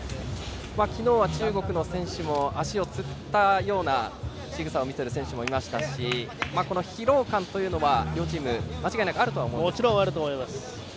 昨日は中国の選手も足をつったようなしぐさを見せる選手もいましたし疲労感というのは両チーム、間違いなくあるとは思います。